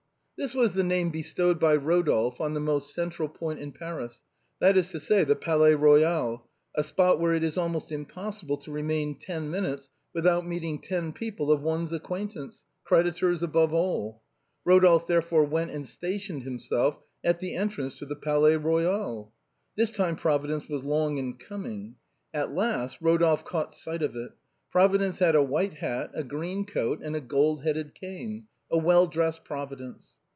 This was the name bestowed by Rodolphe on the most central point in Paris, that is to say, the Palais Eoyal; a spot where it is almost impossible to remain ten minutes without meeting ten people of one's acquaintance, credi tors above all. Rodolphe therefore went and stationed him self at the entrance to tne Palais Royal. This time Provi dence was long in coming. At last Rodolphe caught sight of it. Providence had a white hat, a green coat, and a gold headed cane — a well dressed Providence.